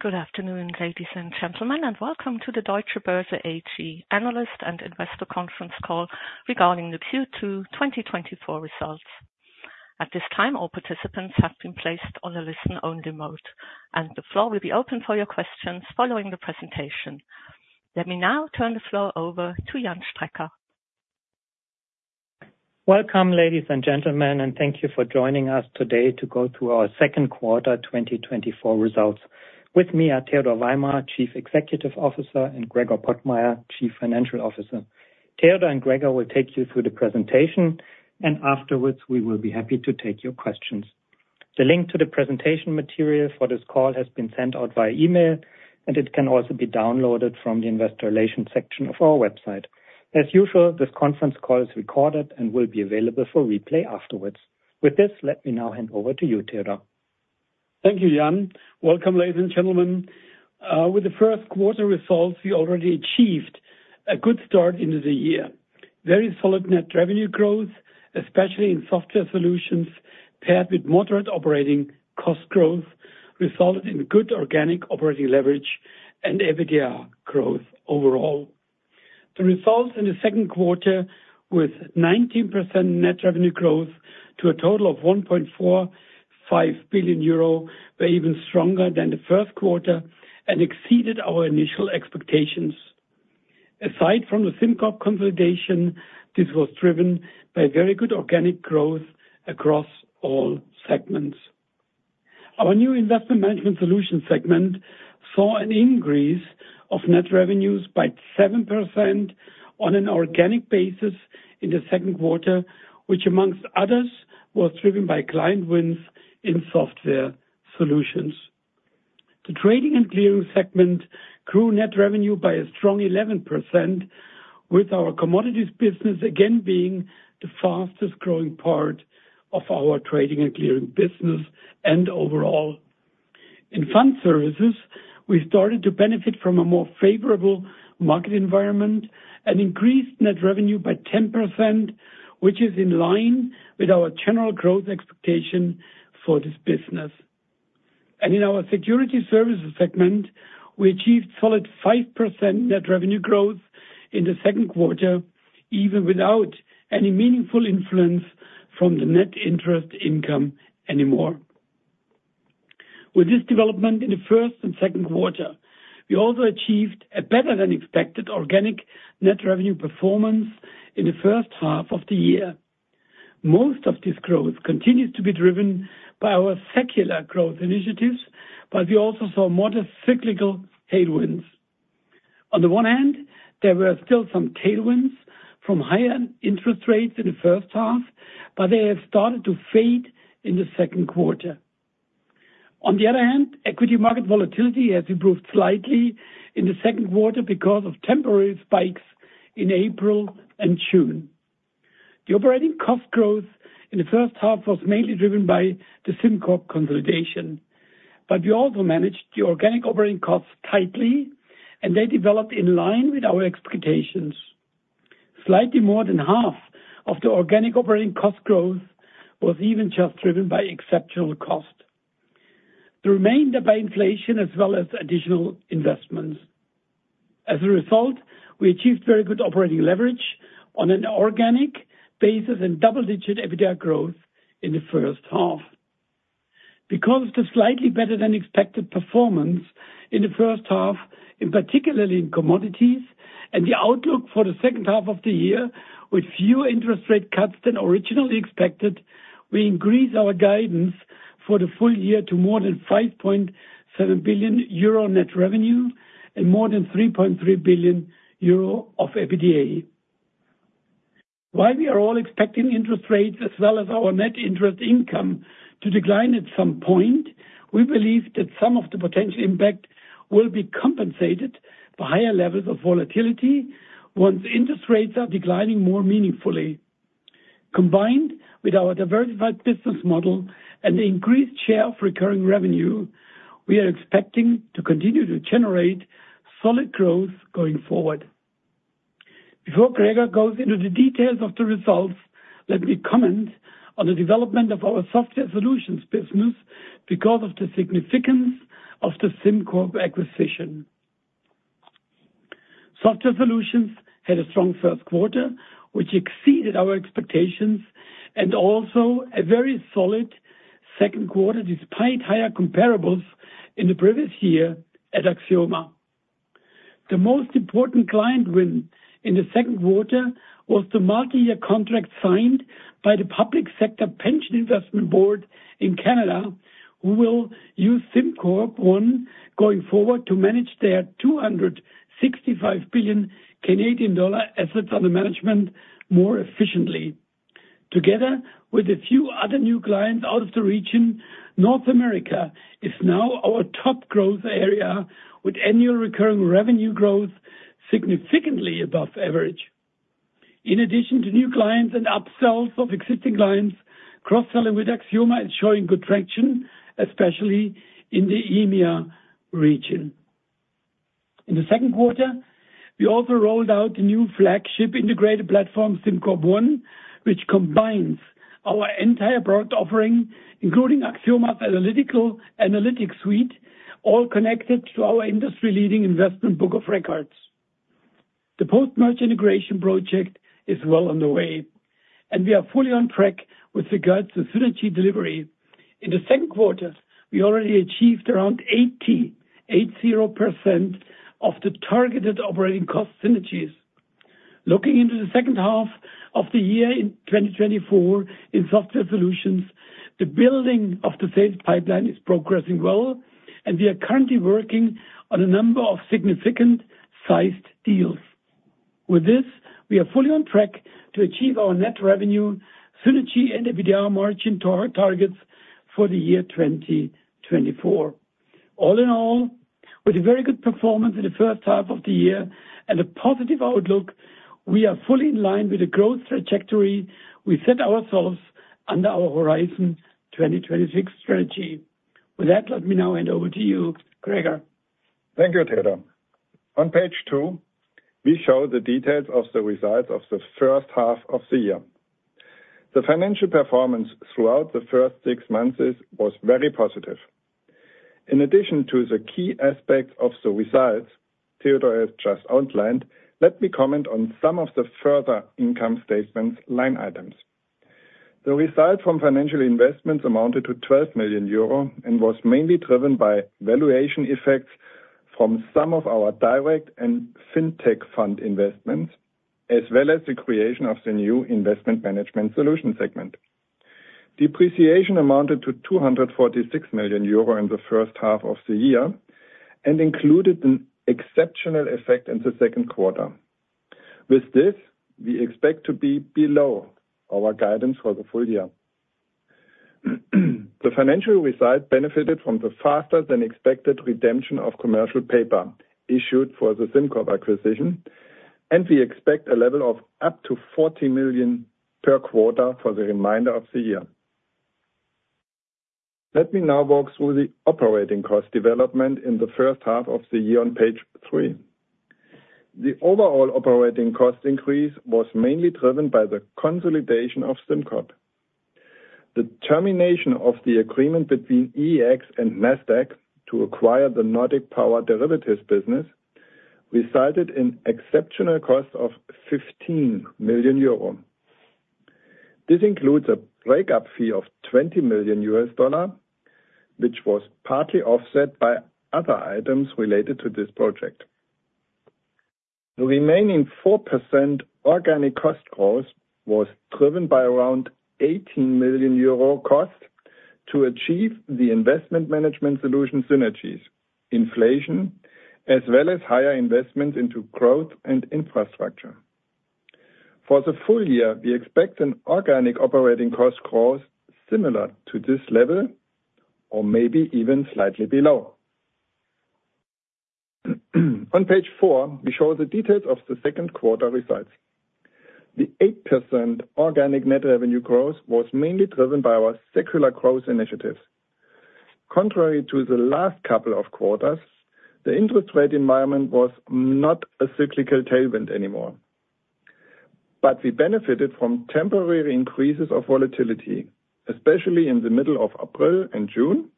Good afternoon, ladies and gentlemen, and welcome to the Deutsche Börse AG analyst and investor conference call regarding the Q2 2024 results. At this time, all participants have been placed on a listen-only mode, and the floor will be open for your questions following the presentation. Let me now turn the floor over to Jan Strecker. Welcome, ladies and gentlemen, and thank you for joining us today to go through our Q2 2024 results. With me are Theodor Weimer, Chief Executive Officer, and Gregor Pottmeyer, Chief Financial Officer. Theodor and Gregor will take you through the presentation, and afterwards, we will be happy to take your questions. The link to the presentation material for this call has been sent out via email, and it can also be downloaded from the Investor Relations section of our website. As usual, this conference call is recorded and will be available for replay afterwards. With this, let me now hand over to you, Theodor. Thank you, Jan. Welcome, ladies and gentlemen. With the Q1 results, we already achieved a good start into the year. Very solid net revenue growth, especially in Software Solutions, paired with moderate operating cost growth, resulted in good organic operating leverage and EBITDA growth overall. The results in the Q2, with 19% net revenue growth to a total of 1.45 billion euro, were even stronger than the Q1 and exceeded our initial expectations. Aside from the SimCorp consolidation, this was driven by very good organic growth across all segments. Our new Investment Management Solutions segment saw an increase of net revenues by 7% on an organic basis in the Q2, which amongst others, was driven by client wins in Software Solutions. The Trading & Clearing segment grew net revenue by a strong 11%, with our commodities business again being the fastest-growing part of our Trading & Clearing business and overall. In Fund Services, we started to benefit from a more favorable market environment and increased net revenue by 10%, which is in line with our general growth expectation for this business. In our Securities Services segment, we achieved solid 5% net revenue growth in the Q2, even without any meaningful influence from the net interest income anymore. With this development in the first and Q2, we also achieved a better-than-expected organic net revenue performance in the first half of the year. Most of this growth continues to be driven by our secular growth initiatives, but we also saw modest cyclical tailwinds. On the one hand, there were still some tailwinds from higher interest rates in the first half, but they have started to fade in the Q2. On the other hand, equity market volatility has improved slightly in the Q2 because of temporary spikes in April and June. The operating cost growth in the first half was mainly driven by the SimCorp consolidation, but we also managed the organic operating costs tightly, and they developed in line with our expectations. Slightly more than half of the organic operating cost growth was even just driven by exceptional cost. The remainder by inflation as well as additional investments. As a result, we achieved very good operating leverage on an organic basis and double-digit EBITDA growth in the first half. Because of the slightly better-than-expected performance in the first half, and particularly in commodities, and the outlook for the second half of the year, with fewer interest rate cuts than originally expected, we increased our guidance for the full year to more than 5.7 billion euro net revenue and more than 3.3 billion euro of EBITDA. While we are all expecting interest rates as well as our net interest income to decline at some point, we believe that some of the potential impact will be compensated by higher levels of volatility once interest rates are declining more meaningfully. Combined with our diversified business model and the increased share of recurring revenue, we are expecting to continue to generate solid growth going forward. Before Gregor goes into the details of the results, let me comment on the development of our Software Solutions business because of the significance of the SimCorp acquisition. Software Solutions had a strong Q1, which exceeded our expectations, and also a very solid Q2, despite higher comparables in the previous year at Axioma. The most important client win in the Q2 was the multi-year contract signed by the Public Sector Pension Investment Board in Canada, who will use SimCorp One going forward to manage their 265 billion Canadian dollar assets under management more efficiently. Together with a few other new clients out of the region, North America is now our top growth area, with annual recurring revenue growth significantly above average. In addition to new clients and upsells of existing clients, cross-selling with Axioma is showing good traction, especially in the EMEA region.... In the Q2, we also rolled out the new flagship integrated platform, SimCorp One, which combines our entire product offering, including Axioma's Analytics Suite, all connected to our industry-leading Investment Book of Records. The post-merger integration project is well on the way, and we are fully on track with regards to synergy delivery. In the Q2, we already achieved around 80% of the targeted operating cost synergies. Looking into the second half of the year in 2024, in Software Solutions, the building of the sales pipeline is progressing well, and we are currently working on a number of significant-sized deals. With this, we are fully on track to achieve our net revenue, synergy, and EBITDA margin targets for the year 2024. All in all, with a very good performance in the first half of the year and a positive outlook, we are fully in line with the growth trajectory we set ourselves under our Horizon 2026 strategy. With that, let me now hand over to you, Gregor. Thank you, Theodor. On page two, we show the details of the results of the first half of the year. The financial performance throughout the first six months is, was very positive. In addition to the key aspects of the results Theodor has just outlined, let me comment on some of the further income statements line items. The results from financial investments amounted to 12 million euro, and was mainly driven by valuation effects from some of our direct and fintech fund investments, as well as the creation of the new Investment Management Solutions segment. Depreciation amounted to 246 million euro in the first half of the year, and included an exceptional effect in the Q2. With this, we expect to be below our guidance for the full year. The financial results benefited from the faster-than-expected redemption of commercial paper issued for the SimCorp acquisition, and we expect a level of up to 40 million per quarter for the remainder of the year. Let me now walk through the operating cost development in the first half of the year on page 3. The overall operating cost increase was mainly driven by the consolidation of SimCorp. The termination of the agreement between EEX and Nasdaq to acquire the Nordic Power Derivatives business resulted in exceptional cost of 15 million euro. This includes a break-up fee of $20 million, which was partly offset by other items related to this project. The remaining 4% organic cost growth was driven by around 18 million euro cost to achieve the Investment Management Solutions synergies, inflation, as well as higher investments into growth and infrastructure. For the full year, we expect an organic operating cost growth similar to this level, or maybe even slightly below. On page 4, we show the details of the Q2 results. The 8% organic net revenue growth was mainly driven by our secular growth initiatives. Contrary to the last couple of quarters, the interest rate environment was not a cyclical tailwind anymore. But we benefited from temporary increases of volatility, especially in the middle of April and June,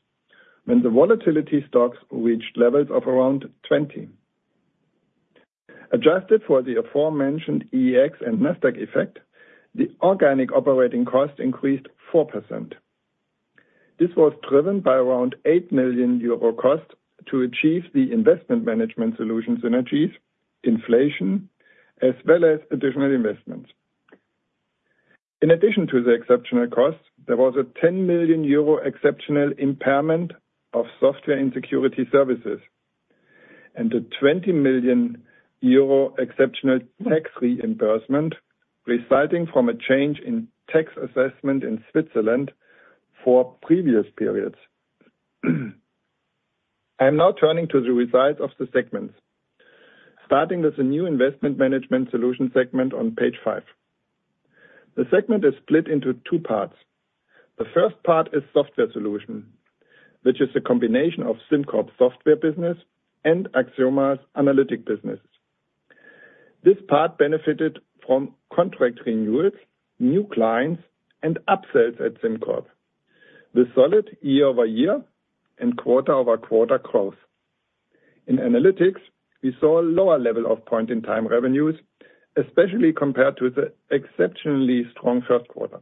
when the VSTOXX reached levels of around 20. Adjusted for the aforementioned EEX and Nasdaq effect, the organic operating cost increased 4%. This was driven by around 8 million euro cost to achieve the Investment Management Solutions synergies, inflation, as well as additional investments. In addition to the exceptional costs, there was a 10 million euro exceptional impairment of software and Securities Services, and a 20 million euro exceptional tax reimbursement resulting from a change in tax assessment in Switzerland for previous periods. I am now turning to the results of the segments, starting with the new Investment Management Solutions segment on page five. The segment is split into two parts. The first part is software solution, which is a combination of SimCorp software business and Axioma's analytic business. This part benefited from contract renewals, new clients, and upsells at SimCorp, with solid year-over-year and quarter-over-quarter growth. In analytics, we saw a lower level of point-in-time revenues, especially compared to the exceptionally strong Q1.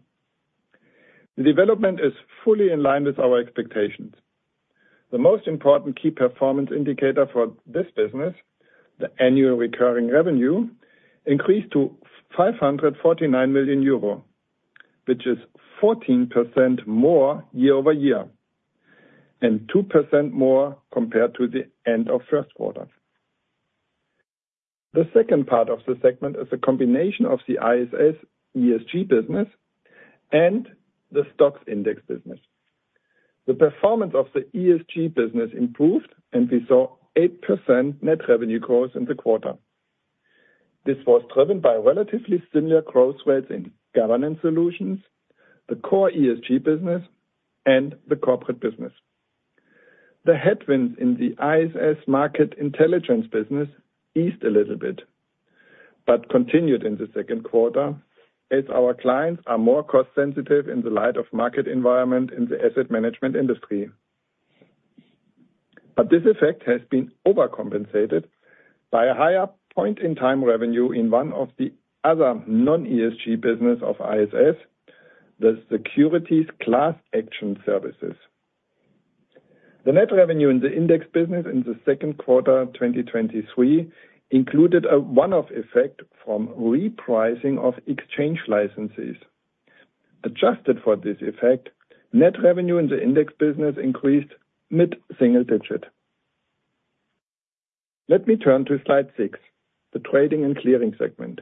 The development is fully in line with our expectations. The most important key performance indicator for this business, the annual recurring revenue, increased to 549 million euro, which is 14% more year-over-year, and 2% more compared to the end of Q1. The second part of the segment is a combination of the ISS ESG business and the STOXX index business. The performance of the ESG business improved, and we saw 8% net revenue growth in the quarter. This was driven by relatively similar growth rates in Governance Solutions, the core ESG business, and the Corporate Solutions business. The headwinds in the ISS Market Intelligence business eased a little bit, but continued in the Q2, as our clients are more cost-sensitive in the light of market environment in the asset management industry. But this effect has been overcompensated by a higher point-in-time revenue in one of the other non-ESG business of ISS, the Securities Class Action Services. The net revenue in the index business in the Q2, 2023, included a one-off effect from repricing of exchange licenses. Adjusted for this effect, net revenue in the index business increased mid-single-digit. Let me turn to slide 6, the Trading & Clearing segment.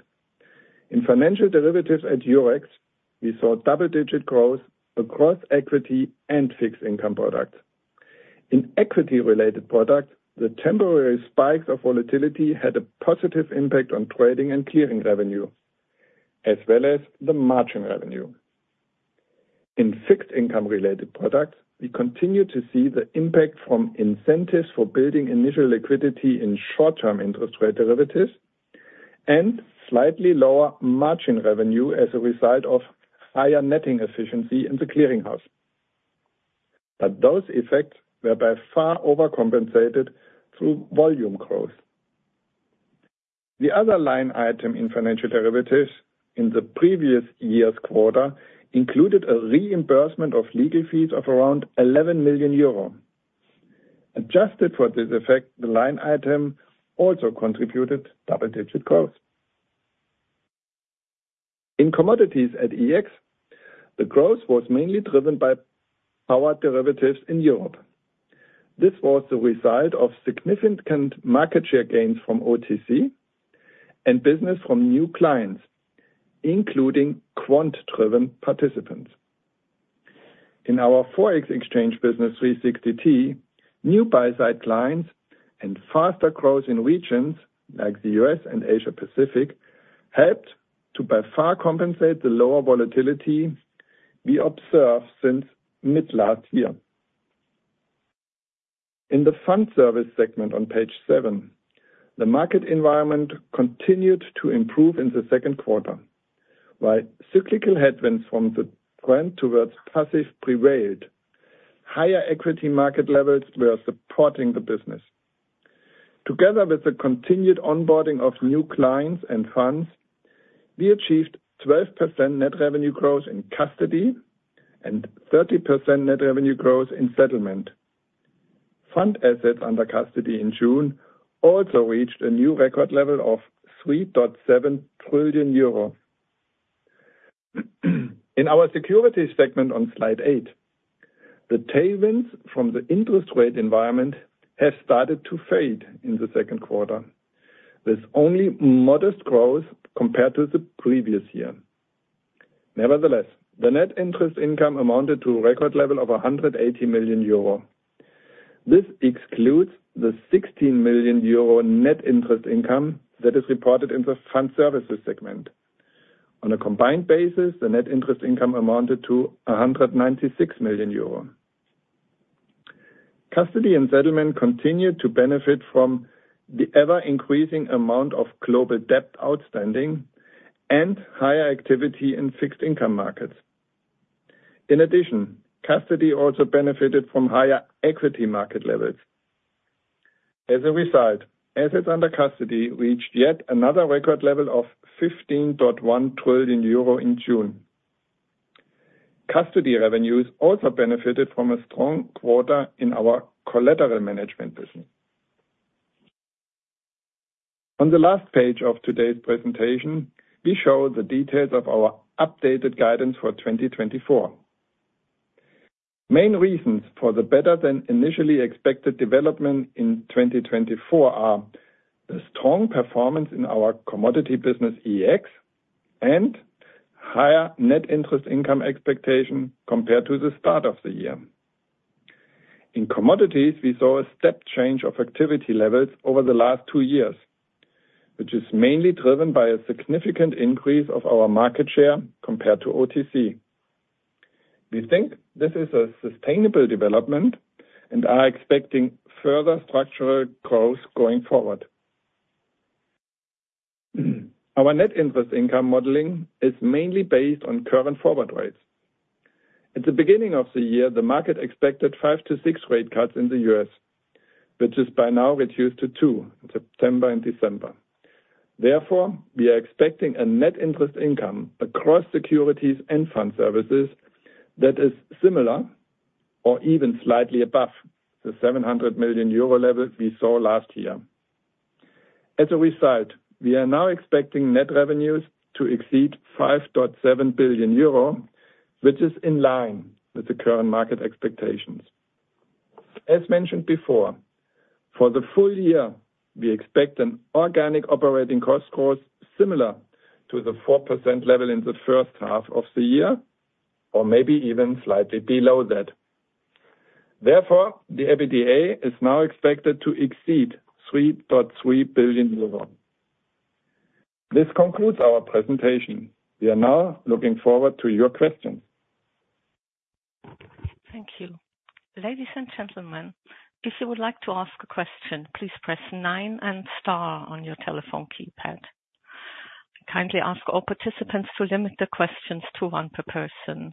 In financial derivatives at Eurex, we saw double-digit growth across equity and fixed income products. In equity-related products, the temporary spikes of volatility had a positive impact on Trading & Clearing revenue, as well as the margin revenue. In fixed income-related products, we continued to see the impact from incentives for building initial liquidity in short-term interest rate derivatives, and slightly lower margin revenue as a result of higher netting efficiency in the clearing house. But those effects were by far overcompensated through volume growth. The other line item in financial derivatives in the previous year's quarter included a reimbursement of legal fees of around 11 million euro. Adjusted for this effect, the line item also contributed double-digit growth. In commodities at EEX, the growth was mainly driven by power derivatives in Europe. This was the result of significant market share gains from OTC and business from new clients, including quant-driven participants. In our Foreign Exchange business, 360T, new buy-side clients and faster growth in regions like the U.S. and Asia Pacific, helped to by far compensate the lower volatility we observed since mid last year. In the fund service segment on page 7, the market environment continued to improve in the Q2. While cyclical headwinds from the trend towards passive prevailed, higher equity market levels were supporting the business. Together with the continued onboarding of new clients and funds, we achieved 12% net revenue growth in custody and 30% net revenue growth in settlement. Fund assets under custody in June also reached a new record level of 3.7 trillion euro. In our securities segment on slide 8, the tailwinds from the interest rate environment have started to fade in the Q2, with only modest growth compared to the previous year. Nevertheless, the net interest income amounted to a record level of 180 million euro. This excludes the 16 million euro net interest income that is reported in the Fund Services segment. On a combined basis, the net interest income amounted to 196 million euro. Custody and settlement continued to benefit from the ever-increasing amount of global debt outstanding and higher activity in fixed income markets. In addition, custody also benefited from higher equity market levels. As a result, assets under custody reached yet another record level of 15.1 trillion euro in June. Custody revenues also benefited from a strong quarter in our collateral management business. On the last page of today's presentation, we show the details of our updated guidance for 2024. Main reasons for the better-than-initially-expected development in 2024 are the strong performance in our commodity business, EEX, and higher net interest income expectation compared to the start of the year. In commodities, we saw a step change of activity levels over the last two years, which is mainly driven by a significant increase of our market share compared to OTC. We think this is a sustainable development and are expecting further structural growth going forward. Our net interest income modeling is mainly based on current forward rates. At the beginning of the year, the market expected 5-6 rate cuts in the U.S., which is by now reduced to 2, September and December. Therefore, we are expecting a net interest income across securities and Fund Services that is similar or even slightly above the 700 million euro level we saw last year. As a result, we are now expecting net revenues to exceed 5.7 billion euro, which is in line with the current market expectations. As mentioned before, for the full year, we expect an organic operating cost growth similar to the 4% level in the first half of the year, or maybe even slightly below that. Therefore, the EBITDA is now expected to exceed 3.3 billion euros. This concludes our presentation. We are now looking forward to your questions. Thank you. Ladies and gentlemen, if you would like to ask a question, please press nine and star on your telephone keypad. I kindly ask all participants to limit the questions to one per person.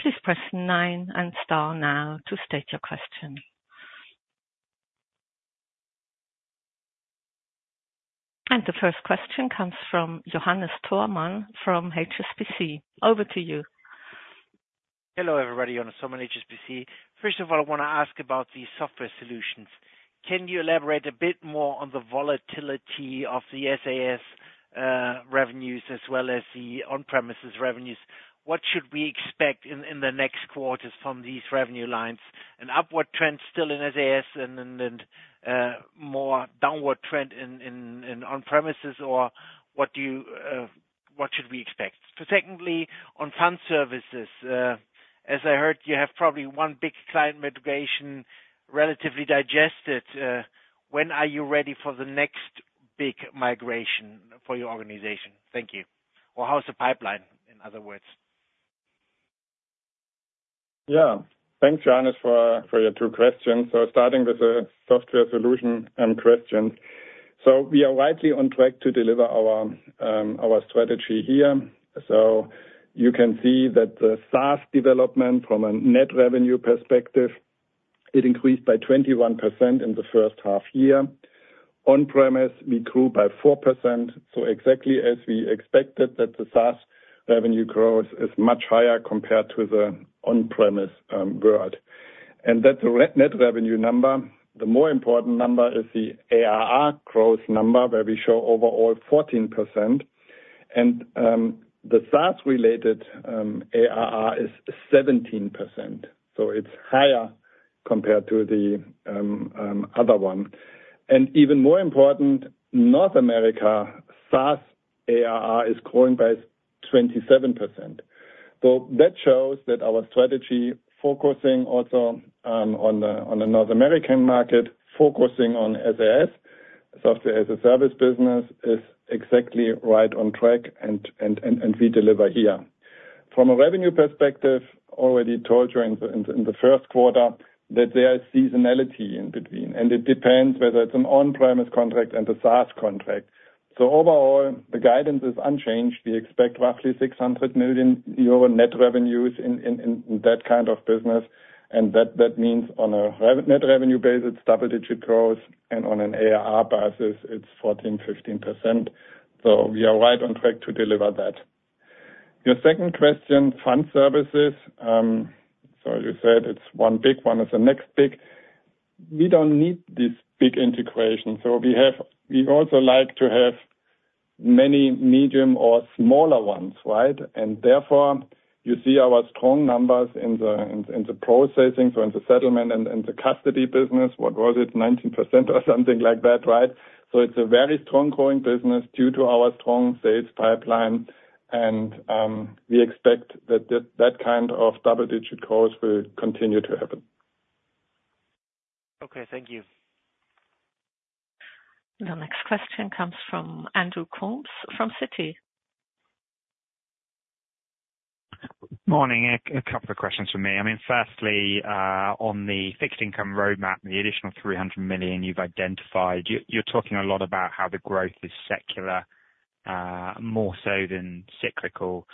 Please press nine and star now to state your question. And the first question comes from Johannes Thormann from HSBC. Over to you. Hello, everybody, Johannes Thormann, HSBC. First of all, I want to ask about the Software Solutions. Can you elaborate a bit more on the volatility of the SaaS revenues as well as the on-premises revenues? What should we expect in the next quarters from these revenue lines? An upward trend still in SaaS and then more downward trend in on-premises, or what should we expect? So secondly, onFund Services, as I heard, you have probably one big client migration relatively digested. When are you ready for the next big migration for your organization? Thank you. Or how is the pipeline, in other words? Yeah. Thanks, Johannes, for your two questions. So starting with the software solution question. So we are rightly on track to deliver our our strategy here. So you can see that the SaaS development from a net revenue perspective, it increased by 21% in the first half year. On-premise, we grew by 4%, so exactly as we expected, that the SaaS revenue growth is much higher compared to the on-premise growth. And that's a net revenue number. The more important number is the ARR growth number, where we show overall 14%. And the SaaS-related ARR is 17%, so it's higher compared to the other one. And even more important, North America, SaaS ARR is growing by 27%. So that shows that our strategy focusing also on the North American market, focusing on SaaS, software-as-a-service business, is exactly right on track, and we deliver here. From a revenue perspective, already told you in the Q1 that there are seasonality in between, and it depends whether it's an on-premise contract and a SaaS contract. So overall, the guidance is unchanged. We expect roughly 600 million euro net revenues in that kind of business, and that means on a net revenue basis, it's double-digit growth, and on an ARR basis, it's 14%-15%. So we are right on track to deliver that. Your second question, Fund Services. So you said it's one big one, is the next big... We don't need this big integration, so we have, we also like to have many medium or smaller ones, right? And therefore, you see our strong numbers in the processing, so in the settlement and the custody business, what was it, 19% or something like that, right? So it's a very strong growing business due to our strong sales pipeline, and we expect that kind of double-digit growth will continue to happen. Okay, thank you. The next question comes from Andrew Coombs from Citi. Morning. A couple of questions from me. I mean, firstly, on the fixed income roadmap, the additional 300 million you've identified, you're talking a lot about how the growth is secular, more so than cyclical.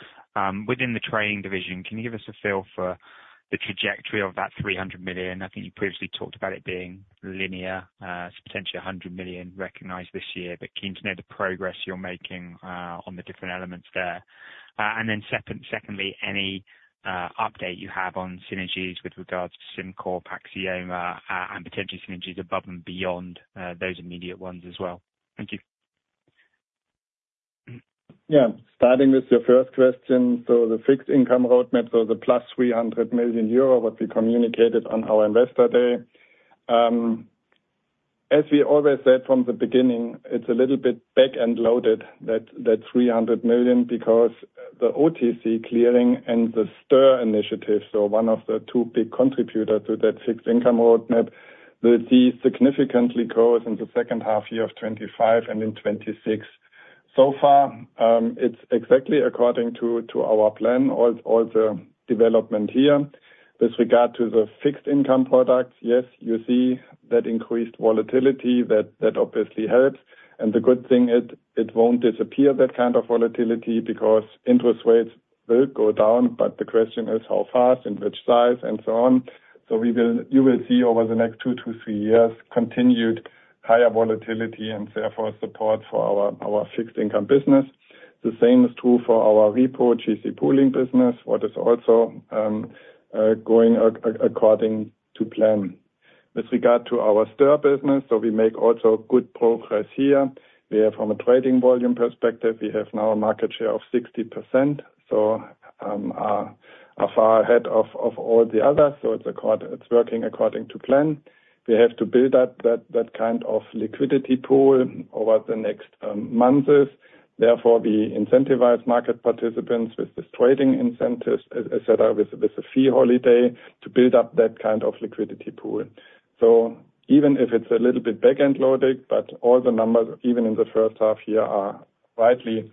Within the trading division, can you give us a feel for the trajectory of that 300 million? I think you previously talked about it being linear, potentially 100 million recognized this year, but keen to know the progress you're making on the different elements there. And then secondly, any update you have on synergies with regards to SimCorp, Axioma, and potentially synergies above and beyond those immediate ones as well. Thank you. Yeah. Starting with your first question, so the fixed income roadmap, so the plus 300 million euro that we communicated on our Investor Day. As we always said from the beginning, it's a little bit back and loaded, that, that 300 million, because the OTC clearing and the STIR initiative, so one of the two big contributor to that fixed income roadmap, will see significantly growth in the second half of 2025 and in 2026. So far, it's exactly according to our plan, all the development here. With regard to the fixed income products, yes, you see that increased volatility, that obviously helps. And the good thing, it won't disappear, that kind of volatility, because interest rates will go down, but the question is how fast and which size, and so on. So you will see over the next 2-3 years, continued higher volatility and therefore support for our, our fixed income business. The same is true for our repo GC Pooling business, what is also going according to plan. With regard to our STIR business, so we make also good progress here. We have from a trading volume perspective, we have now a market share of 60%, are far ahead of all the others, so it's working according to plan. We have to build up that kind of liquidity pool over the next months. Therefore, we incentivize market participants with this trading incentives, etc., with a fee holiday to build up that kind of liquidity pool. So even if it's a little bit back-end loaded, but all the numbers, even in the first half year, are rightly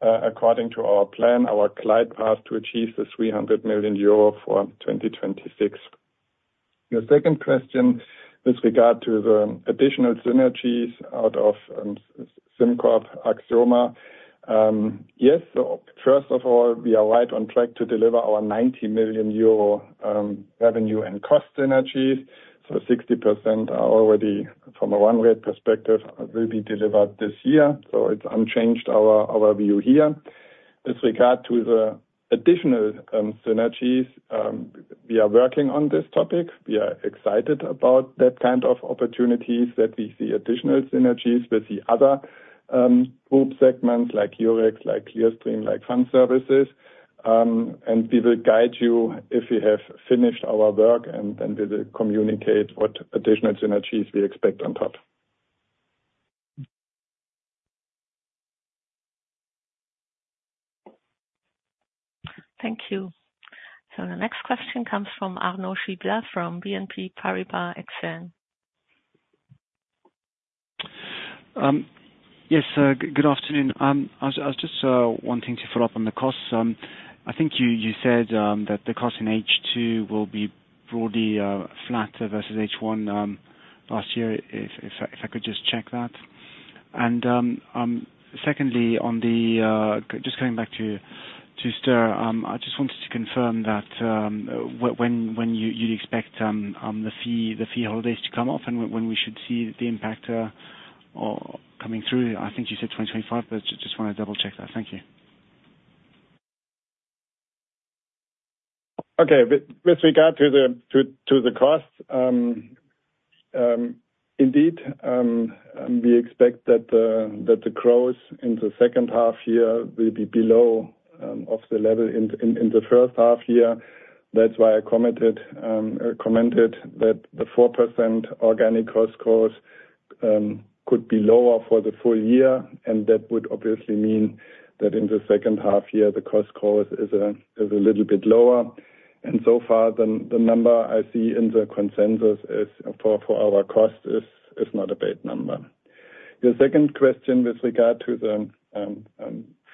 according to our plan, our glide path to achieve 300 million euro for 2026. Your second question with regard to the additional synergies out of SimCorp, Axioma. Yes, so first of all, we are right on track to deliver our 90 million euro revenue and cost synergies. So 60% are already from a run rate perspective, will be delivered this year, so it's unchanged, our view here. With regard to the additional synergies, we are working on this topic. We are excited about that kind of opportunities that we see additional synergies with the other group segments, like Eurex, like Clearstream, like Fund Services. We will guide you if we have finished our work, and then we will communicate what additional synergies we expect on top. Thank you. The next question comes from Arnaud Giblat, from BNP Paribas Exane. Yes, good afternoon. I was just wanting to follow up on the costs. I think you said that the cost in H2 will be broadly flatter versus H1 last year. If I could just check that? Secondly, just coming back to STIR, I just wanted to confirm that, when you expect the fee holidays to come off, and when we should see the impact or coming through. I think you said 2025, but just wanna double-check that. Thank you. Okay. With regard to the costs, indeed, we expect that the growth in the second half year will be below of the level in the first half year. That's why I commented that the 4% organic cost growth could be lower for the full year, and that would obviously mean that in the second half year, the cost growth is a little bit lower. And so far, the number I see in the consensus is for our cost is not a bad number. Your second question with regard to the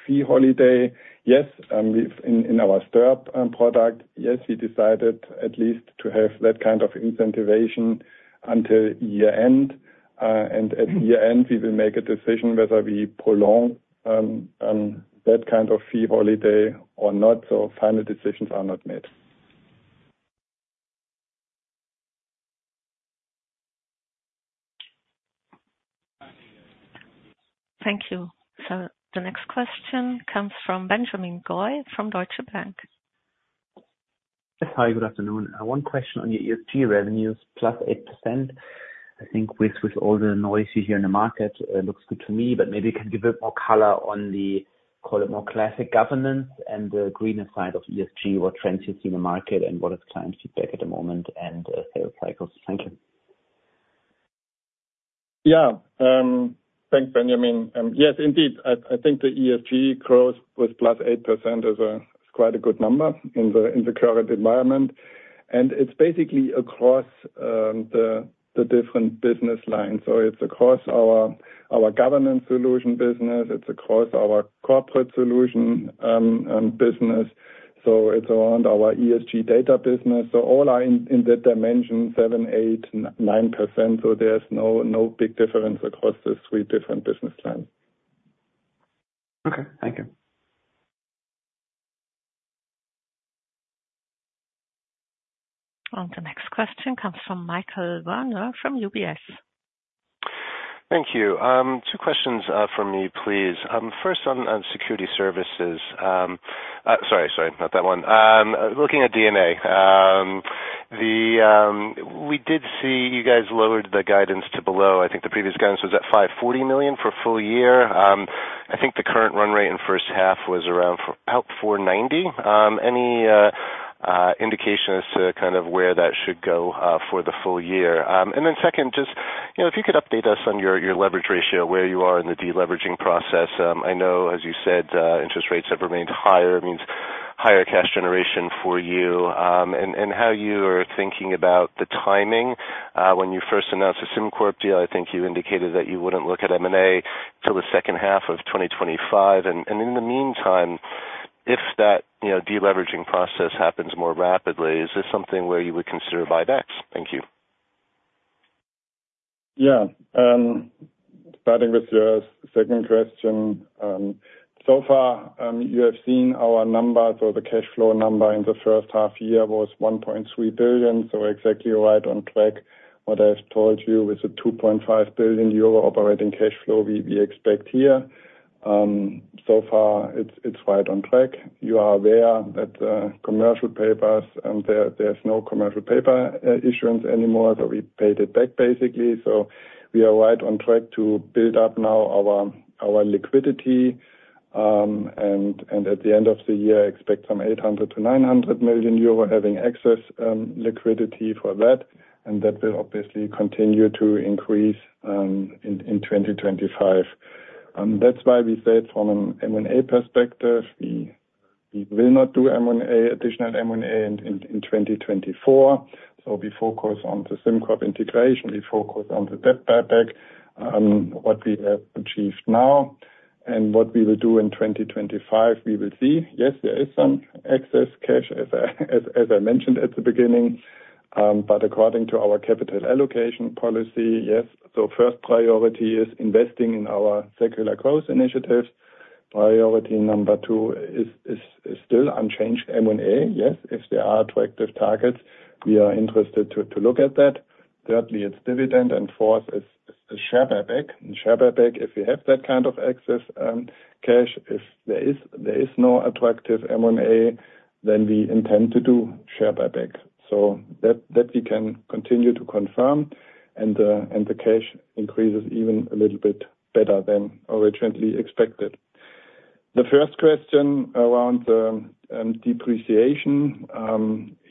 fee holiday. Yes, we've in our STIR product, yes, we decided at least to have that kind of incentivization until year-end. At year-end, we will make a decision whether we prolong that kind of fee holiday or not, so final decisions are not made. Thank you. So the next question comes from Benjamin Goy, from Deutsche Bank. Hi, good afternoon. One question on your ESG revenues, +8%. I think with, with all the noise you hear in the market, looks good to me, but maybe you can give a bit more color on the, call it, more classic governance and the greener side of ESG, what trends you see in the market, and what is client feedback at the moment, and, sale cycles. Thank you. Yeah, thanks, Benjamin. Yes, indeed, I think the ESG growth with +8% is quite a good number in the current environment. And it's basically across the different business lines, or it's across our governance solution business. It's across our corporate solution business, so it's around our ESG data business. So all are in the dimension 7, 8, 9%, so there's no big difference across the three different business lines. Okay, thank you. The next question comes from Michael Werner from UBS. Thank you. Two questions from me, please. First on Securities Services. Sorry, not that one. Looking at DNA. We did see you guys lowered the guidance to below. I think the previous guidance was at 540 million for full year. I think the current run rate in first half was around about 490. Any indication as to kind of where that should go for the full year? And then second, just, you know, if you could update us on your leverage ratio, where you are in the deleveraging process. I know, as you said, interest rates have remained higher, it means higher cash generation for you, and how you are thinking about the timing. When you first announced the SimCorp deal, I think you indicated that you wouldn't look at M&A till the second half of 2025. And in the meantime, if that, you know, deleveraging process happens more rapidly, is this something where you would consider buybacks? Thank you. Yeah, starting with your second question. So far, you have seen our numbers, or the cash flow number in the first half year was 1.3 billion, so exactly right on track. What I've told you is a 2.5 billion euro operating cash flow we expect here. So far, it's right on track. You are aware that, commercial papers, there, there's no commercial paper issuance anymore, so we paid it back basically. So we are right on track to build up now our liquidity and at the end of the year, expect from 800 million-900 million euro, having excess liquidity for that, and that will obviously continue to increase in 2025. That's why we said from an M&A perspective, we will not do additional M&A in 2024. So we focus on the SimCorp integration, we focus on the debt buyback, what we have achieved now and what we will do in 2025, we will see. Yes, there is some excess cash, as I mentioned at the beginning, but according to our capital allocation policy, yes, so first priority is investing in our secular growth initiatives. Priority number two is still unchanged M&A, yes, if there are attractive targets, we are interested to look at that. Thirdly, it's dividend, and fourth is a share buyback. And share buyback, if we have that kind of excess cash, if there is no attractive M&A, then we intend to do share buyback. So that we can continue to confirm, and the cash increases even a little bit better than originally expected. The first question around depreciation.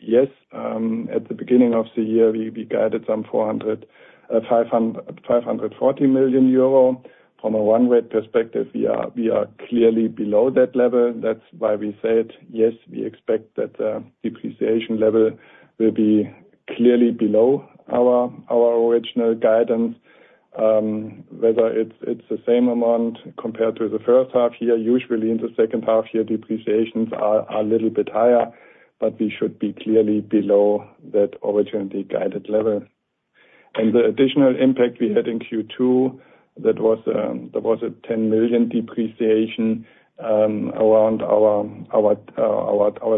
Yes, at the beginning of the year, we guided some 540 million euro. From a run rate perspective, we are clearly below that level. That's why we said, yes, we expect that depreciation level will be clearly below our original guidance. Whether it's the same amount compared to the first half year, usually in the second half year, depreciations are a little bit higher, but we should be clearly below that originally guided level. And the additional impact we had in Q2, that was, there was a 10 million depreciation around our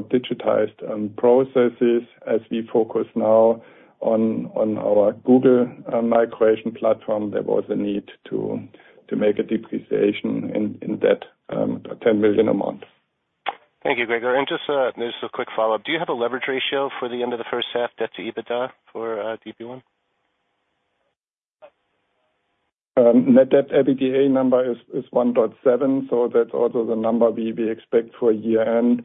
digitized processes. As we focus now on our Google migration platform, there was a need to make a depreciation in that 10 million a month. Thank you, Gregor. And just, just a quick follow-up. Do you have a leverage ratio for the end of the first half, debt to EBITDA, for DB1? Net debt EBITDA number is 1.7, so that's also the number we expect for year-end.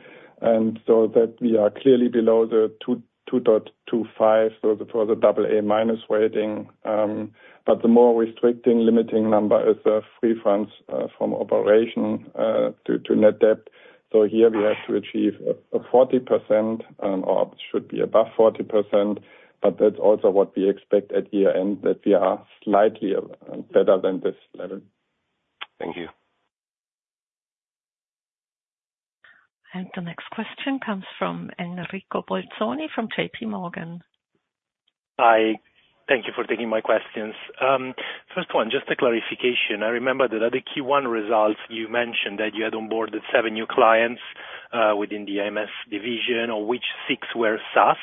So that we are clearly below the 2.25, so for the double A minus weighting. But the more restricting, limiting number is the free funds from operation to net debt. So here we have to achieve a 40%, or should be above 40%, but that's also what we expect at year-end, that we are slightly better than this level. Thank you. The next question comes from Enrico Bolzoni from JP Morgan. Hi, thank you for taking my questions. First one, just a clarification. I remember that at the Q1 results, you mentioned that you had onboarded seven new clients within the AMS division, of which six were SaaS.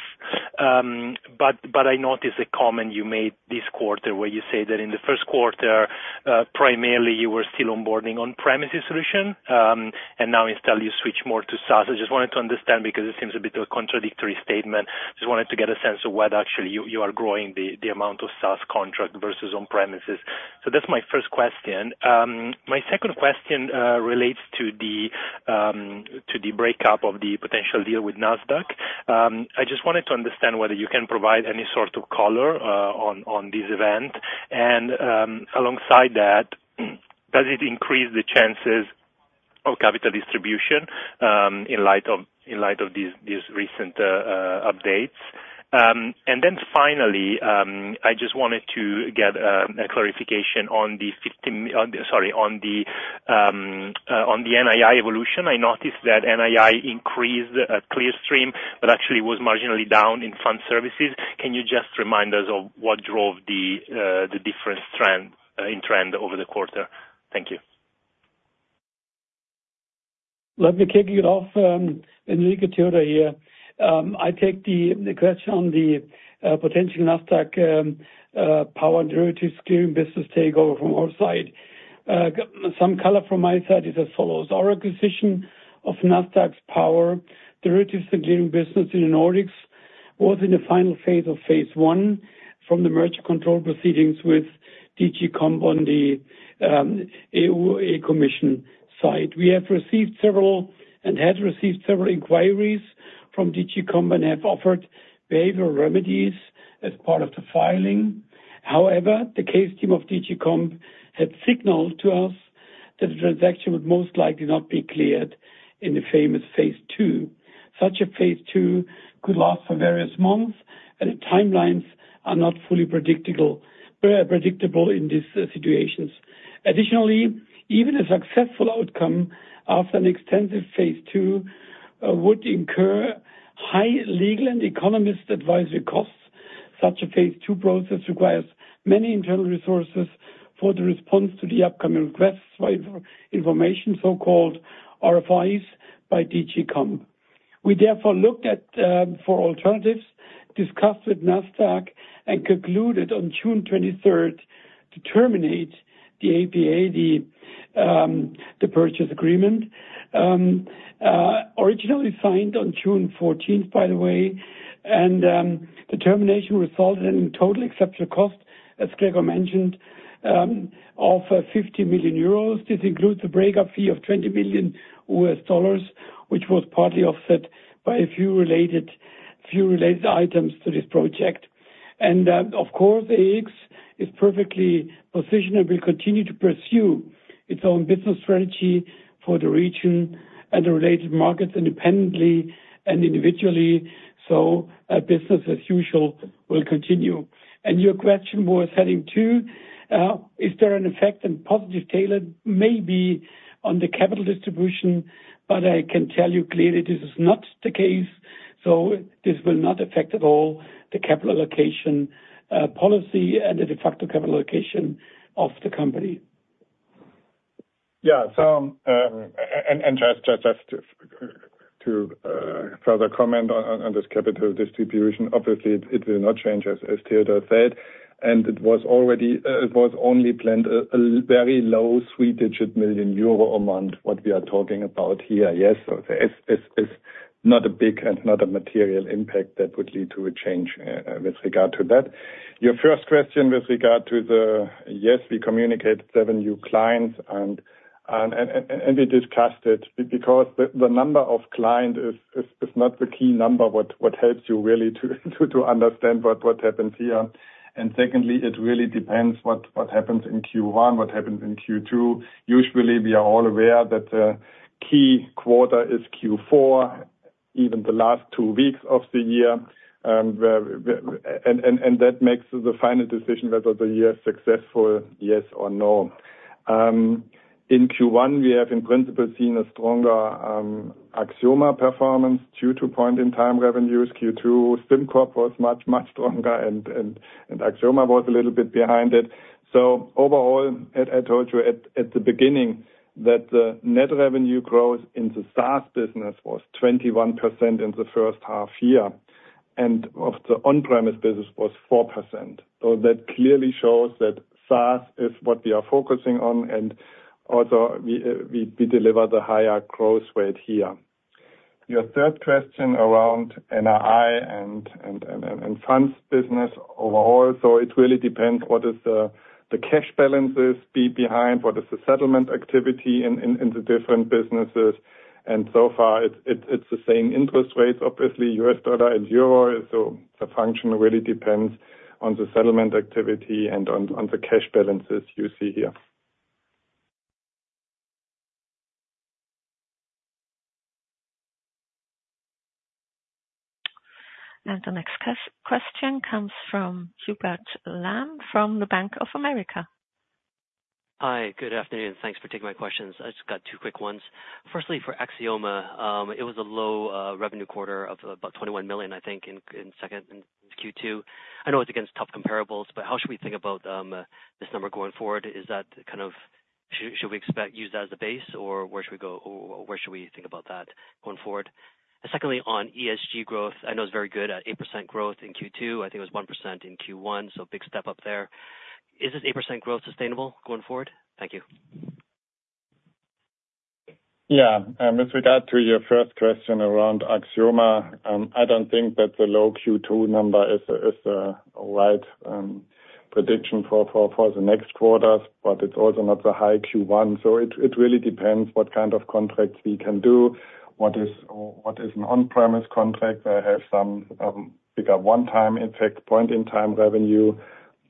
But I noticed a comment you made this quarter, where you say that in the Q1, primarily you were still onboarding on-premises solution, and now instead you switch more to SaaS. I just wanted to understand, because it seems a bit contradictory statement. Just wanted to get a sense of whether actually you are growing the amount of SaaS contract versus on-premises. So that's my first question. My second question relates to the breakup of the potential deal with Nasdaq. I just wanted to understand whether you can provide any sort of color on this event, and alongside that, does it increase the chances of capital distribution in light of these recent updates? And then finally, I just wanted to get a clarification on the NII evolution. I noticed that NII increased Clearstream, but actually was marginally down in Fund Services. Can you just remind us of what drove the different trend in trend over the quarter? Thank you. Let me kick it off, Enrico, Theodor here. I take the question on the potential Nasdaq power derivatives clearing business takeover from our side. Some color from my side is as follows: Our acquisition of Nasdaq's power derivatives and clearing business in the Nordics was in the final phase of phase one from the merger control proceedings with DG Comp on the EU Commission side. We have received several and have received several inquiries from DG Comp and have offered behavioral remedies as part of the filing. However, the case team of DG Comp had signaled to us that the transaction would most likely not be cleared in the phase two. Such a phase two could last for various months, and the timelines are not fully predictable in these situations. Additionally, even a successful outcome of an extensive phase two would incur high legal and economist advisory costs. Such a phase two process requires many internal resources for the response to the upcoming requests for information, so-called RFIs by DG Comp. We therefore looked at for alternatives, discussed with Nasdaq, and concluded on June twenty-third to terminate the APA, the purchase agreement originally signed on June fourteenth, by the way. And the termination resulted in total exceptional cost, as Gregor mentioned, of 50 million euros. This includes a breakup fee of $20 million, which was partly offset by a few related items to this project. And of course, EEX is perfectly positioned and will continue to pursue its own business strategy for the region and the related markets independently and individually, so business as usual will continue. And your question was heading to is there an effect, a positive tailwind? Maybe on the capital distribution, but I can tell you clearly this is not the case, so this will not affect at all the capital allocation policy and the de facto capital allocation of the company. Yeah, so, and just to further comment on this capital distribution, obviously, it will not change, as Theodor said, and it was already, it was only planned a very low three-digit million EUR a month, what we are talking about here. Yes, so it's not a big and not a material impact that would lead to a change with regard to that. Your first question with regard to the... Yes, we communicated seven new clients and we discussed it because the number of client is not the key number, what helps you really to understand what happens here. And secondly, it really depends what happens in Q1, what happens in Q2. Usually, we are all aware that key quarter is Q4, even the last two weeks of the year, where that makes the final decision whether the year is successful, yes or no. In Q1, we have in principle seen a stronger Axioma performance due to point-in-time revenues. Q2, SimCorp was much, much stronger, and Axioma was a little bit behind it. So overall, I told you at the beginning, that the net revenue growth in the SaaS business was 21% in the first half year, and of the on-premise business was 4%. So that clearly shows that SaaS is what we are focusing on, and also we deliver the higher growth rate here. Your third question around NII and funds business overall, so it really depends what is the cash balances be behind, what is the settlement activity in the different businesses. So far, it's the same interest rates, obviously, U.S. dollar and euro, so the funding really depends on the settlement activity and on the cash balances you see here. The next question comes from Hubert Lam from Bank of America. Hi, good afternoon. Thanks for taking my questions. I just got two quick ones. Firstly, for Axioma, it was a low revenue quarter of about 21 million, I think, in Q2. I know it's against tough comparables, but how should we think about this number going forward? Is that kind of—should we expect use that as a base, or where should we go, or where should we think about that going forward? And secondly, on ESG growth, I know it's very good at 8% growth in Q2. I think it was 1% in Q1, so big step up there. Is this 8% growth sustainable going forward? Thank you. Yeah, with regard to your first question around Axioma, I don't think that the low Q2 number is a wide prediction for the next quarters, but it's also not the high Q1. So it really depends what kind of contracts we can do, what is or what is an on-premise contract. I have some bigger one-time impact, point-in-time revenue,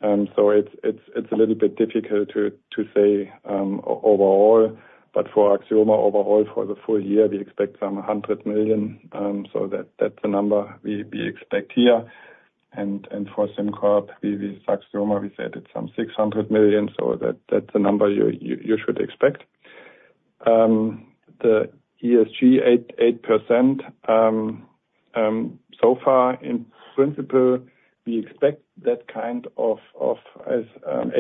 so it's a little bit difficult to say overall. But for Axioma, overall, for the full year, we expect some 100 million, so that's the number we expect here. And for SimCorp, with Axioma, we said it's some 600 million, so that's the number you should expect. The ESG 8, 8%, so far, in principle, we expect that kind of, of, as, 8%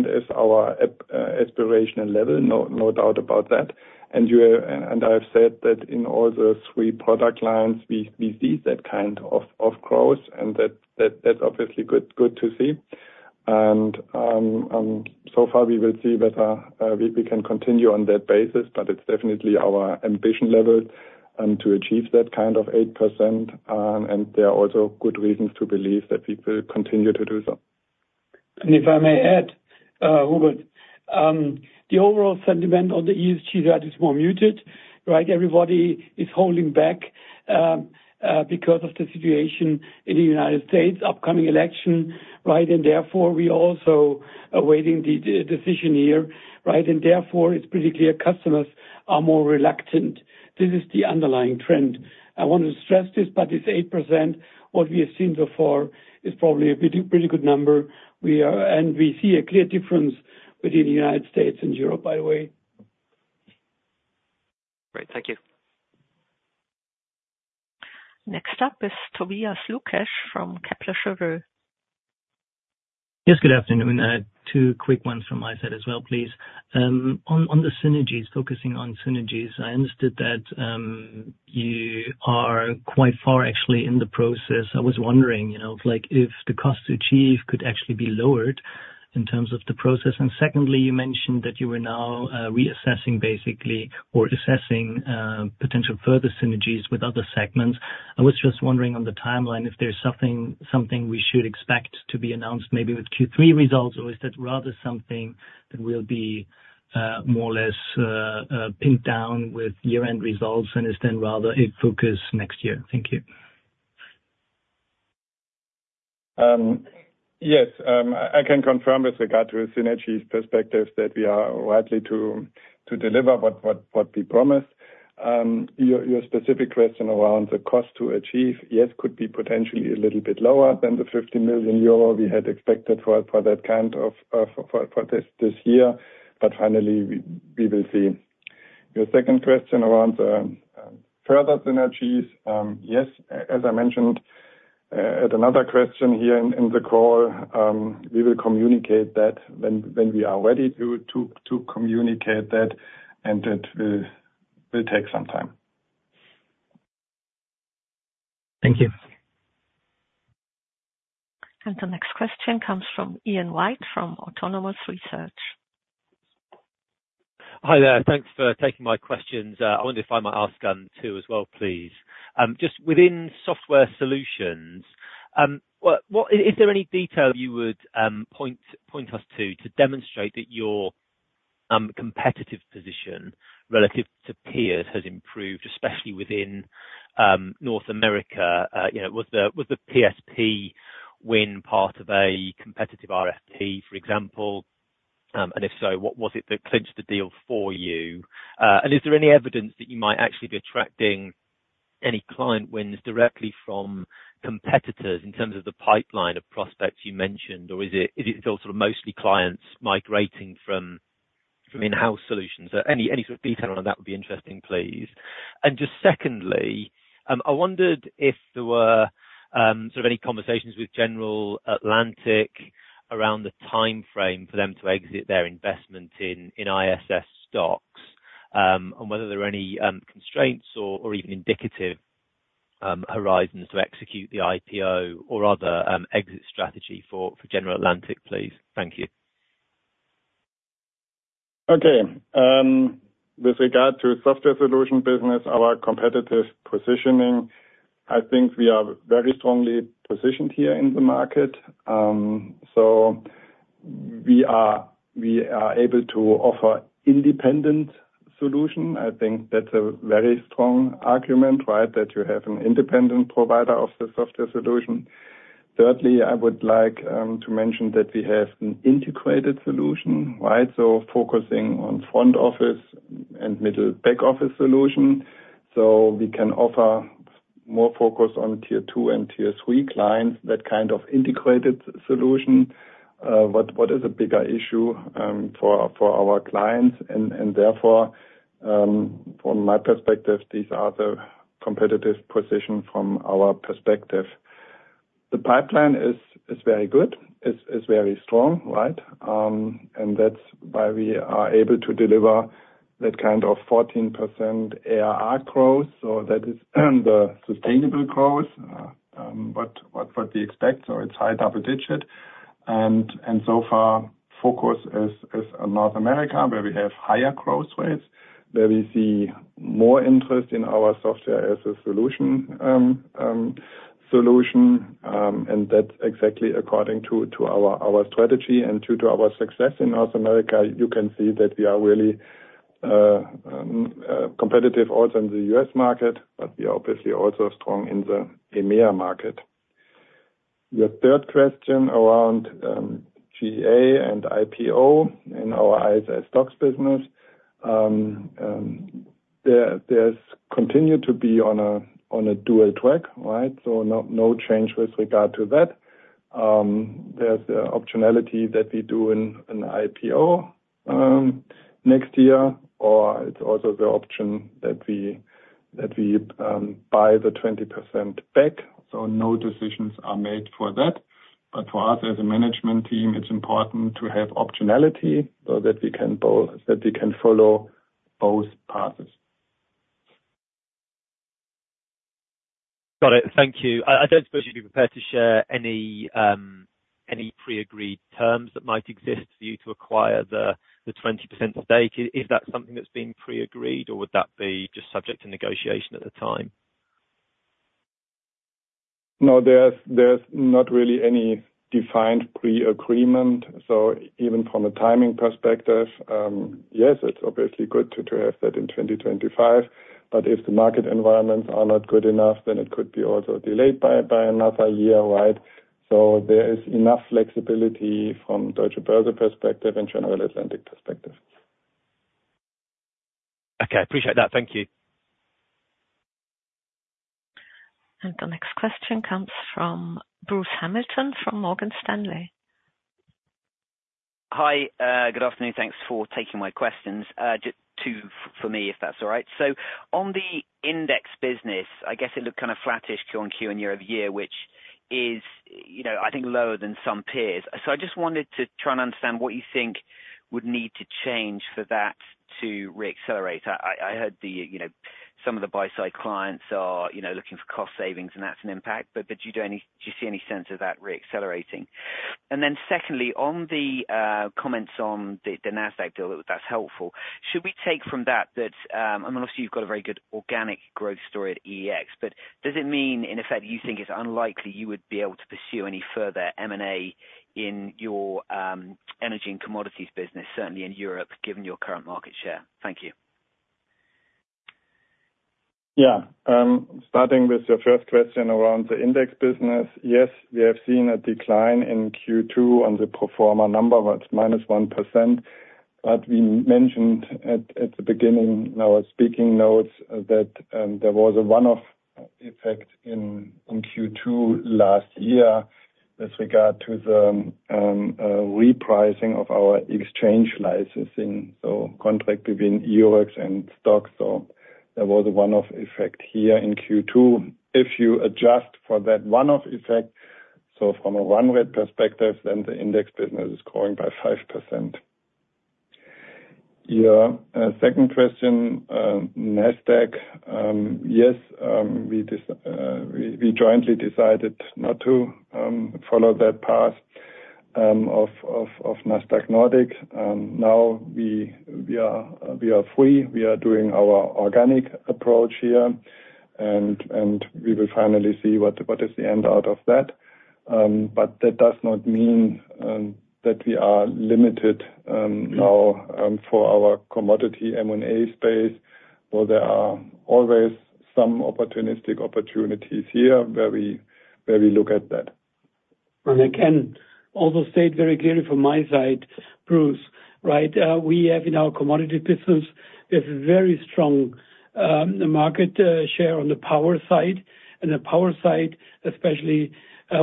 is our aspirational level, no doubt about that. And you, and I've said that in all the three product lines, we see that kind of, of growth, and that, that's obviously good to see. And so far, we will see whether we can continue on that basis, but it's definitely our ambition level to achieve that kind of 8%, and there are also good reasons to believe that we will continue to do so. If I may add, Hubert, the overall sentiment on the ESG side is more muted, right? Everybody is holding back because of the situation in the United States, upcoming election, right? And therefore, we also are awaiting the decision here, right? And therefore, it's pretty clear customers are more reluctant. This is the underlying trend. I want to stress this, but this 8%, what we have seen so far, is probably a pretty, pretty good number. We are and we see a clear difference between the United States and Europe, by the way. Great. Thank you. Next up is Tobias Lukesch from Kepler Cheuvreux. Yes, good afternoon. Two quick ones from my side as well, please. On, on the synergies, focusing on synergies, I understood that you are quite far actually in the process. I was wondering, you know, like, if the cost to achieve could actually be lowered? in terms of the process. And secondly, you mentioned that you were now, reassessing basically, or assessing, potential further synergies with other segments. I was just wondering on the timeline, if there's something, something we should expect to be announced maybe with Q3 results, or is that rather something that will be, more or less, pinned down with year-end results and is then rather in focus next year? Thank you. Yes, I can confirm with regard to a synergies perspective, that we are likely to deliver what we promised. Your specific question around the cost to achieve, yes, could be potentially a little bit lower than the 50 million euro we had expected for this year. But finally, we will see. Your second question around further synergies, yes, as I mentioned at another question here in the call, we will communicate that when we are ready to communicate that, and it will take some time. Thank you. The next question comes from Ian White, from Autonomous Research. Hi there. Thanks for taking my questions. I wonder if I might ask two as well, please. Just within Software Solutions, is there any detail you would point us to to demonstrate that your competitive position relative to peers has improved, especially within North America? You know, was the PSP win part of a competitive RFP, for example? And if so, what was it that clinched the deal for you? And is there any evidence that you might actually be attracting any client wins directly from competitors in terms of the pipeline of prospects you mentioned? Or is it all sort of mostly clients migrating from in-house solutions? So any sort of detail on that would be interesting, please. And just secondly, I wondered if there were sort of any conversations with General Atlantic around the timeframe for them to exit their investment in ISS STOXX, and whether there are any constraints or even indicative horizons to execute the IPO or other exit strategy for General Atlantic, please. Thank you. Okay. With regard to software solution business, our competitive positioning, I think we are very strongly positioned here in the market. So we are able to offer independent solution. I think that's a very strong argument, right? That you have an independent provider of the software solution. Thirdly, I would like to mention that we have an integrated solution, right? So focusing on front office and middle back office solution, so we can offer more focus on tier two and tier three clients, that kind of integrated solution. What is a bigger issue for our clients, and therefore, from my perspective, these are the competitive position from our perspective. The pipeline is very good, very strong, right? And that's why we are able to deliver that kind of 14% ARR growth. So that is the sustainable growth we expect, so it's high double digit. And so far, focus is on North America, where we have higher growth rates, where we see more interest in our software as a solution. And that's exactly according to our strategy and due to our success in North America, you can see that we are really competitive also in the US market, but we are obviously also strong in the EMEA market. Your third question around GA and IPO in our ISS STOXX business. There's continued to be on a dual track, right? So no change with regard to that. There's the optionality that we do an IPO next year, or it's also the option that we buy the 20% back. So no decisions are made for that. But for us, as a management team, it's important to have optionality so that we can both—so that we can follow both paths. Got it. Thank you. I don't suppose you'd be prepared to share any, any pre-agreed terms that might exist for you to acquire the, the 20% stake. Is that something that's been pre-agreed, or would that be just subject to negotiation at the time? No, there's not really any defined pre-agreement. So even from a timing perspective, yes, it's obviously good to have that in 2025, but if the market environments are not good enough, then it could be also delayed by another year, right? So there is enough flexibility from Deutsche Börse perspective and General Atlantic perspective. Okay, appreciate that. Thank you. The next question comes from Bruce Hamilton, from Morgan Stanley. Hi, good afternoon. Thanks for taking my questions. Just two for me, if that's all right. So on the index business, I guess it looked kind of flattish QOQ and year-over-year, which is, you know, I think lower than some peers. So I just wanted to try and understand what you think would need to change for that to re-accelerate. I heard the, you know, some of the buy side clients are, you know, looking for cost savings, and that's an impact, but do you see any sense of that re-accelerating? And then secondly, on the comments on the Nasdaq deal, that's helpful. Should we take from that, I mean, obviously you've got a very good organic growth story at EEX, but does it mean, in effect, you think it's unlikely you would be able to pursue any further M&A in your energy and commodities business, certainly in Europe, given your current market share? Thank you. Yeah, starting with your first question around the index business. Yes, we have seen a decline in Q2 on the pro forma number, about minus 1%. But we mentioned at the beginning in our speaking notes that there was a one-off effect in Q2 last year with regard to the repricing of our exchange licensing so contract between Eurex and STOXX. So there was a one-off effect here in Q2. If you adjust for that one-off effect, so from a run rate perspective, then the index business is growing by 5%. Your second question, Nasdaq, yes, we jointly decided not to follow that path of Nasdaq Nordic. Now we are free. We are doing our organic approach here, and we will finally see what is the end out of that. But that does not mean that we are limited now for our commodity M&A space, where there are always some opportunistic opportunities here where we look at that. I can also state very clearly from my side, Bruce, right, we have in our commodity business, there's a very strong market share on the power side. The power side especially,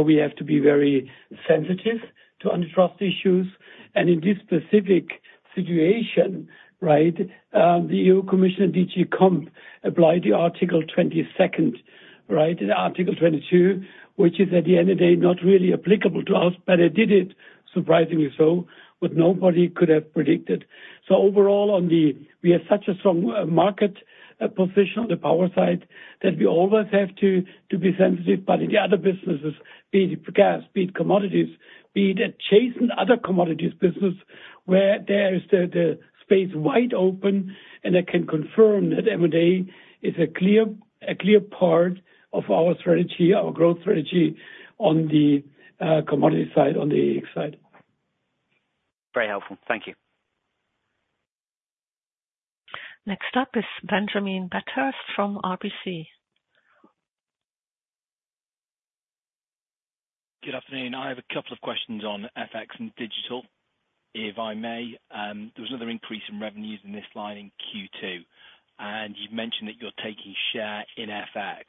we have to be very sensitive to antitrust issues. In this specific situation, right, the EU Commission, DG Comp, applied Article 22, which is, at the end of the day, not really applicable to us, but they did it, surprisingly so, what nobody could have predicted. So overall, we have such a strong market position on the power side, that we always have to be sensitive. But in the other businesses, be it gas, be it commodities, be it chasing other commodities business, where there is the space wide open, and I can confirm that M&A is a clear, a clear part of our strategy, our growth strategy on the commodity side, on the EEX side. Very helpful. Thank you. Next up is Ben Bathurst from RBC. Good afternoon. I have a couple of questions on FX and digital. If I may, there was another increase in revenues in this line in Q2, and you've mentioned that you're taking share in FX.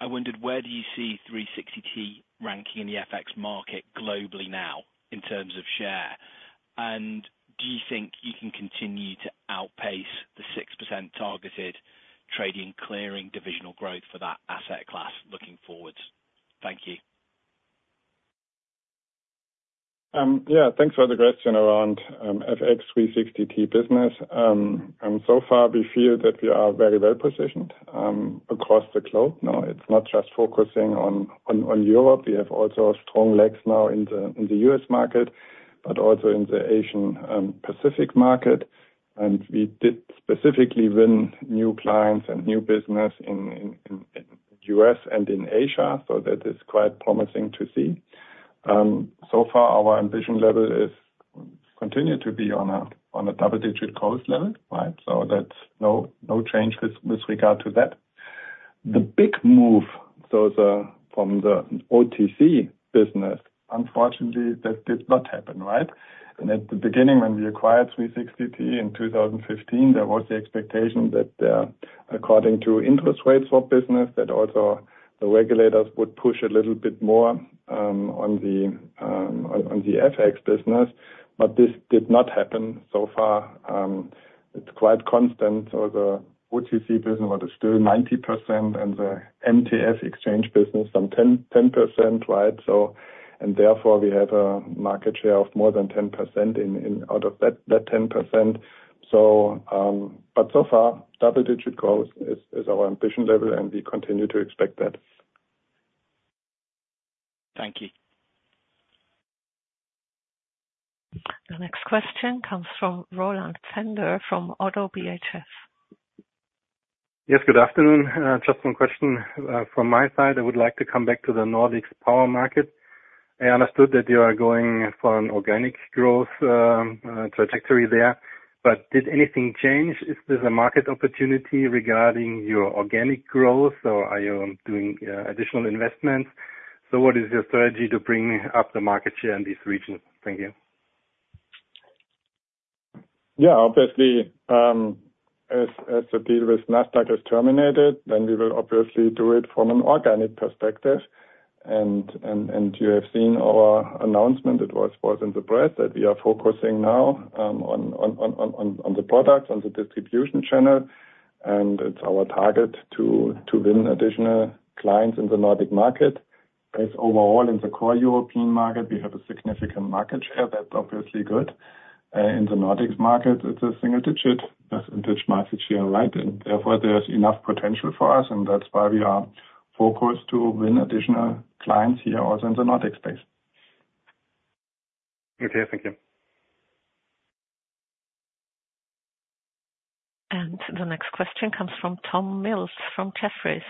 I wondered, where do you see 360T ranking in the FX market globally now, in terms of share? And do you think you can continue to outpace the 6% targeted trading clearing divisional growth for that asset class looking forward? Thank you. Yeah, thanks for the question around FX 360T business. And so far we feel that we are very well positioned across the globe. No, it's not just focusing on Europe. We have also strong legs now in the US market, but also in the Asia Pacific market. And we did specifically win new clients and new business in US and in Asia, so that is quite promising to see. So far, our ambition level is continue to be on a double-digit growth level, right? So that's no change with regard to that. The big move from the OTC business, unfortunately, that did not happen, right? At the beginning, when we acquired 360T in 2015, there was the expectation that, according to interest rates for business, that also the regulators would push a little bit more, on the, on the FX business, but this did not happen so far. It's quite constant, so the OTC business, but it's still 90% and the MTF exchange business, some 10, 10%, right? So, and therefore, we have a market share of more than 10% in, out of that, that 10%. So, but so far, double-digit growth is our ambition level, and we continue to expect that. Thank you. The next question comes from Roland Pfänder from Oddo BHF. Yes, good afternoon. Just one question from my side. I would like to come back to the Nordics power market. I understood that you are going for an organic growth trajectory there, but did anything change? Is this a market opportunity regarding your organic growth, or are you doing additional investments? So what is your strategy to bring up the market share in this region? Thank you. Yeah, obviously, as the deal with Nasdaq is terminated, then we will obviously do it from an organic perspective. And you have seen our announcement, it was in the press, that we are focusing now on the products, on the distribution channel, and it's our target to win additional clients in the Nordic market. As overall in the core European market, we have a significant market share. That's obviously good. In the Nordics market, it's a single digit, as in which market share, right? And therefore, there's enough potential for us, and that's why we are focused to win additional clients here also in the Nordics space. Okay, thank you. The next question comes from Tom Mills, from Jefferies.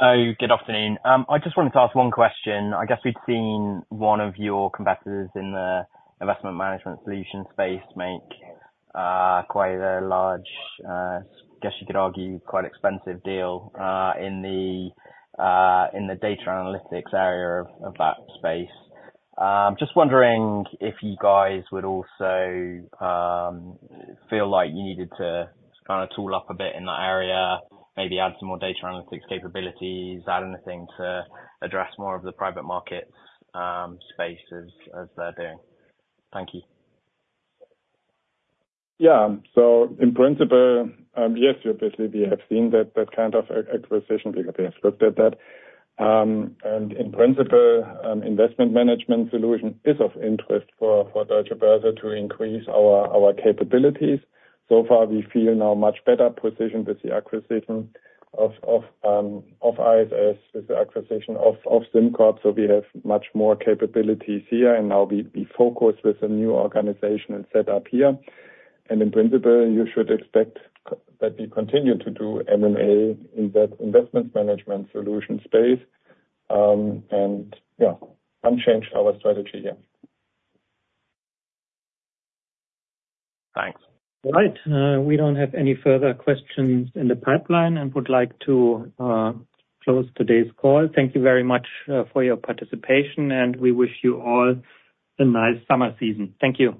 Good afternoon. I just wanted to ask one question. I guess we've seen one of your competitors in the Investment Management Solutions space make quite a large, guess you could argue, quite expensive deal in the data analytics area of that space. Just wondering if you guys would also feel like you needed to kind of tool up a bit in that area, maybe add some more data analytics capabilities, add anything to address more of the private markets space, as they're doing? Thank you. Yeah. So in principle, yes, we basically, we have seen that, that kind of acquisition, because we expected that. And in principle, Investment Management Solutions is of interest for, for Deutsche Börse to increase our, our capabilities. So far, we feel now much better positioned with the acquisition of ISS, with the acquisition of SimCorp. So we have much more capabilities here, and now we, we focus with a new organizational set up here. And in principle, you should expect that we continue to do M&A in that Investment Management Solutions space. And, yeah, unchanged our strategy, yeah. Thanks. All right. We don't have any further questions in the pipeline and would like to close today's call. Thank you very much, for your participation, and we wish you all a nice summer season. Thank you.